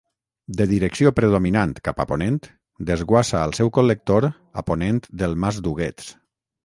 De direcció predominant cap a ponent, desguassa al seu col·lector a ponent del Mas d'Huguets.